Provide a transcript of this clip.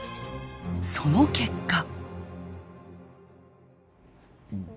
その結果。